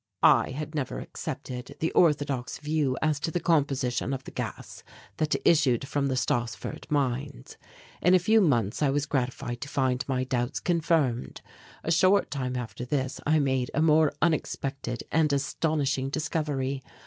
I had never accepted the orthodox view as to the composition of the gas that issued from the Stassfurt mines. In a few months I was gratified to find my doubts confirmed. A short time after this I made a more unexpected and astonishing discovery.